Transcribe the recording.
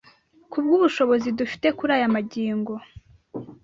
ku bw’ubushobozi dufite kuri aya magingo.